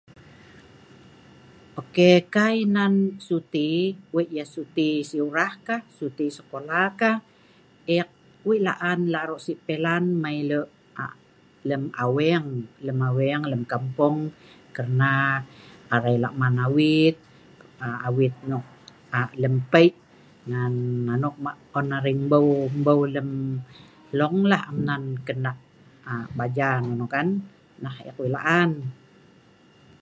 Ok kai nan cuti wei' yah cuti siu' rah' kah cuti sekolakah ek wei' la'an lah aro' si pilan mai lo' aa lem aweng, lem aweng, lem kampung karena arai lahman awit aa awit nok lem pei', ngan anok mah' on arai embeu, embeu hlonglah am nan kenah baja nonoh kan, nah ek wei' laan